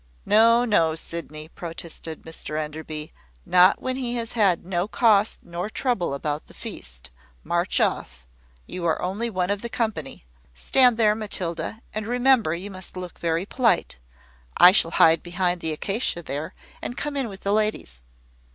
"No, no, Sydney," protested Mr Enderby; "not when he has had no cost nor trouble about the feast. March off. You are only one of the company. Stand there, Matilda, and remember you must look very polite. I shall hide behind the acacia there, and come in with the ladies."